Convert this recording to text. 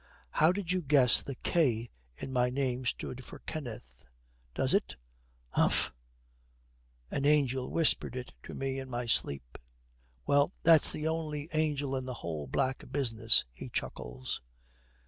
'How did you guess the K in my name stood for Kenneth?' 'Does it?' 'Umpha.' 'An angel whispered it to me in my sleep.' 'Well, that's the only angel in the whole black business.' He chuckles.